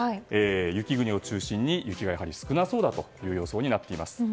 雪国を中心に雪が少なそうだという予想になっています。